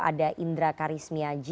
ada indra karismiaji